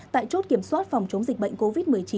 tại chốt kiểm soát phòng chống dịch bệnh covid một mươi chín